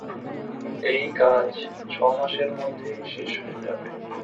এই কাজ ছ’মাসের মধ্যে শেষ হয়ে যাবে।